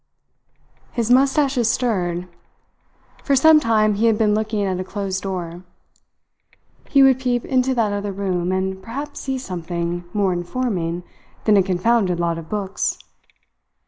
His moustaches stirred. For some time he had been looking at a closed door. He would peep into that other room, and perhaps see something more informing than a confounded lot of books.